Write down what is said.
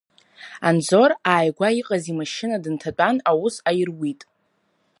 Анзор ааигәа иҟаз имашьына дынҭатәан аус аируит.